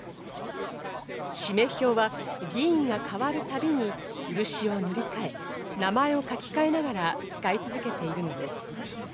氏名標は議員が変わるたびに漆を塗りかえ、名前を書き換えながら使い続けているのです。